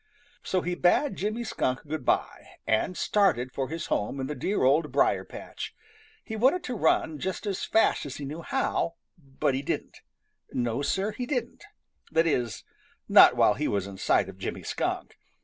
So he bade Jimmy Skunk good by, and started for his home in the dear Old Briar patch. He wanted to run just as fast as he knew how, but he didn't. No, Sir, he didn't. That is, not while he was in sight of Jimmy Skunk.